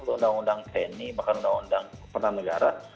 undang undang tni bahkan undang undang pertahanan negara